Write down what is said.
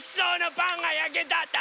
パンがやけたんだ！